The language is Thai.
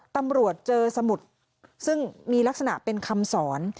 ตำรวจเจอสมุดซึ่งมีลักษณะเป็นคำสอน